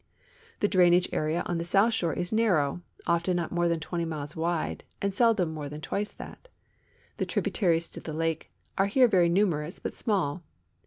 The drainage area on the south shore is narrow, often not more than 20 miles wide, and seldom more than twice that. The tributaries to the lake are here very numerous but small.